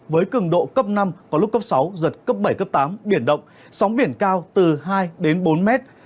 với cường độ cấp năm có lúc cấp sáu giật cấp bảy cấp tám biển động sóng biển cao từ hai đến bốn mét